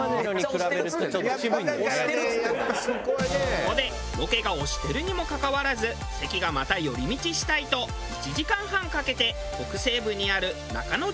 ここでロケが押してるにもかかわらず関がまた寄り道したいと１時間半かけて北西部にある中之条町へ。